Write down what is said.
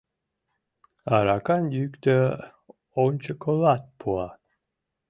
Аракам йӱктӧ, ончыкылат пуа...